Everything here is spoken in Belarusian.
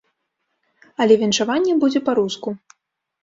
Але віншаванне будзе па-руску.